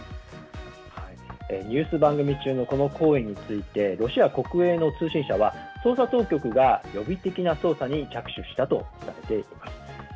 ニュース番組中のこの行為についてロシア国営の通信社は捜査当局が予備的な捜査に着手したと伝えています。